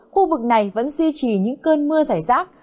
khu vực này vẫn suy trì những cơn mưa dày rác